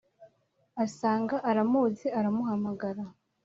asanga aramuzi aramuhamagara